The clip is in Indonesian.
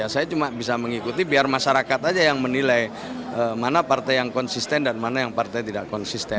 saya cuma bisa mengikuti biar masyarakat aja yang menilai mana partai yang konsisten dan mana yang partai tidak konsisten